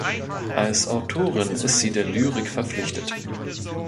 Als Autorin ist sie der Lyrik verpflichtet.